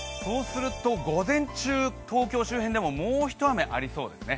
午前中、東京周辺でももうひと雨ありそうですね。